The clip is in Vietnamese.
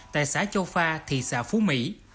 tại xã châu pha thị xã phú mỹ